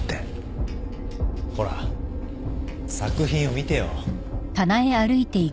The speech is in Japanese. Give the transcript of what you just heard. ほら作品を見てよ。